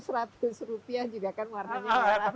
seratus rupiah juga kan warnanya jalan